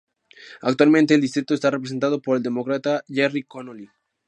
Actualmente el distrito está representado por el Demócrata Gerry Connolly.